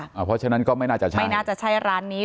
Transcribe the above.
เพราะฉะนั้นก็ไม่น่าจะใช่ไม่น่าจะใช่ร้านนี้